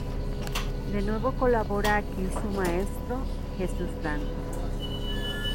De nuevo colabora aquí su maestro, Jesús Franco.